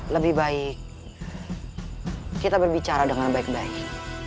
lebih baik kita berbicara dengan baik baik